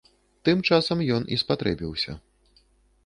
Тым часам ён і спатрэбіўся.